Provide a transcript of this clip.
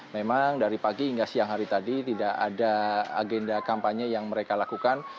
memang dari pagi hingga siang hari tadi tidak ada agenda kampanye yang mereka lakukan